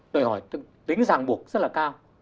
đòi hỏi tính giảng buộc rất là cao